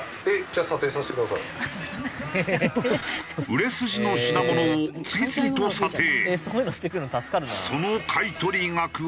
売れ筋の品物を次々と査定。